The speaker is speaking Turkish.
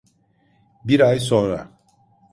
Bir ay sonra…